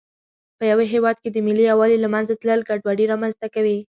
په یوه هېواد کې د ملي یووالي له منځه تلل ګډوډي رامنځته کوي.